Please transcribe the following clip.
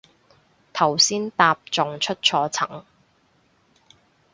頭先搭仲出錯層